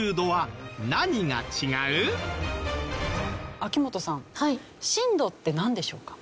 秋元さん震度ってなんでしょうか？